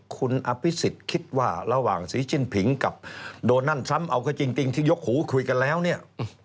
คุณอภิษฎคิดว่าระหว่างศรีจิ้นผิงกับโดนัทซ้ำเอาก็จริงที่ยกหูคุยกันแล้วเนี่ย